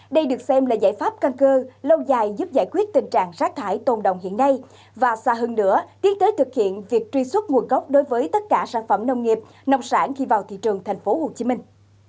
đây được xem là giải pháp căn cơ lâu dài giúp giải quyết tình trạng rác thải tồn đồng hiện nay và xa hơn nữa tiến tới thực hiện việc truy xuất nguồn gốc đối với tất cả sản phẩm nông nghiệp nông sản khi vào thị trường thành phố hồ chí minh